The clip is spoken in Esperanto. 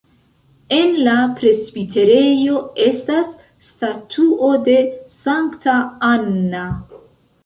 En la presbiterejo estas statuo de Sankta Anna.